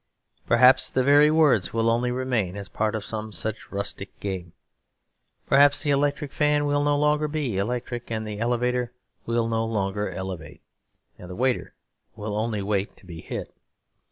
Perhaps the very words will only remain as part of some such rustic game. Perhaps the electric fan will no longer be electric and the elevator will no longer elevate, and the waiter will only wait to be hit.